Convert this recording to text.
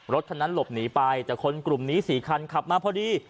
รถคันนั้นหลบหนีไปแต่คนกลุ่มนี้๔คันขับมาพอดี